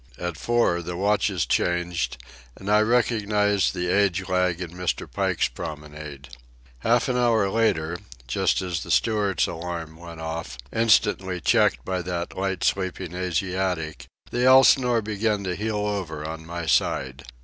At four the watches changed, and I recognized the age lag in Mr. Pike's promenade. Half an hour later, just as the steward's alarm went off, instantly checked by that light sleeping Asiatic, the Elsinore began to heel over on my side.